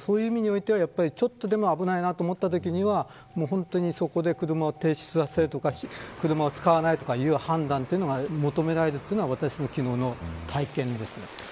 そういう意味においてはちょっとでも危ないなと思ったときにはそこで車を停止するとか車を使わないという判断が求められるというのが私の昨日の体験です。